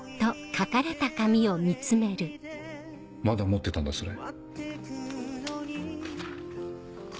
まだ持ってたんだそれ。